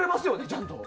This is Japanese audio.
ちゃんと。